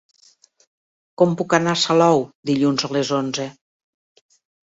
Com puc anar a Salou dilluns a les onze?